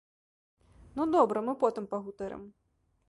Ну, добра, мы потым пагутарым.